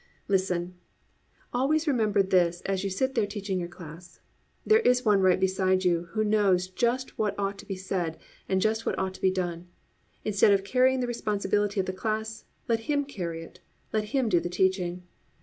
Listen! Always remember this as you sit there teaching your class: there is One right beside you Who knows just what ought to be said and just what ought to be done. Instead of carrying the responsibility of the class, let Him carry it, let Him do the teaching.